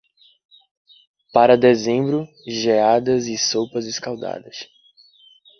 Para dezembro, geadas e sopas escaldadas.